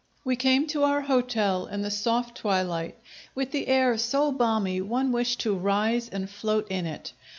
We came to our hotel in the soft twilight, with the air so balmy one wished to rise and float in it.